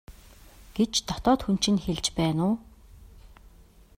гэж дотоод хүн чинь хэлж байна уу?